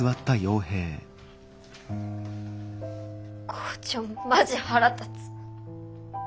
校長マジ腹立つ。